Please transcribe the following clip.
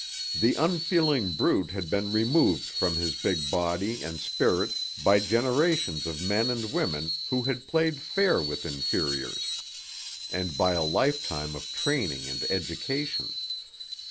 The unfeeling brute had been removed from his big body and spirit by generations of men and women who had played fair with inferiors, and by a lifetime of training and education.